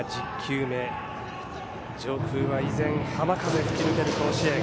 上空は依然浜風吹き抜ける甲子園。